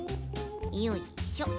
よいしょ。